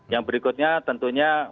yang berikutnya tentunya